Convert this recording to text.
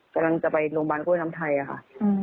กำลังจะไปโรงพยาบาลกล้วยน้ำไทยค่ะ